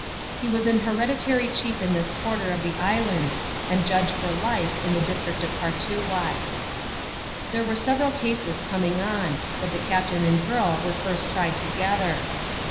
He was an hereditary chief in this quarter of the island, and judge for life in the district of Partoowye. There were sevei*al cases coming on ; but the captain and girl were first tried together.